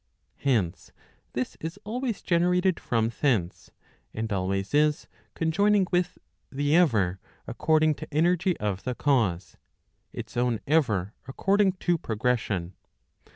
Hence, this is always generated from thence, and always is, conjoining with the ever according to energy of the cause, its own ever according to progression.